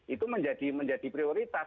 itu menjadi prioritas